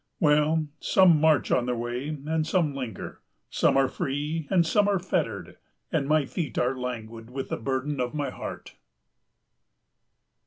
"Well, some march on their way and some linger, some are free and some are fettered and my feet are languid with the burden of my heart."